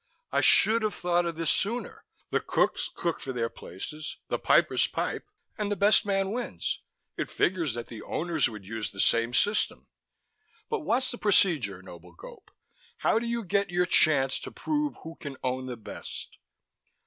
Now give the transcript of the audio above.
"I should have thought of this sooner! The cooks cook for their places, the pipers pipe ... and the best man wins. It figures that the Owners would use the same system. But what's the procedure, noble Gope? How do you get your chance to prove who can own the best?"